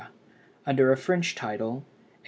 under a French title, _e.